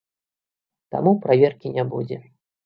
Таму праверкі не будзе.